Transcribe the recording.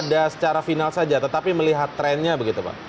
tidak secara final saja tetapi melihat trennya begitu pak